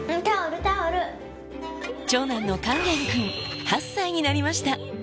タオル、長男の勸玄君、８歳になりました。